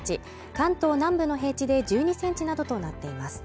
関東南部の平地で１２センチなどとなっています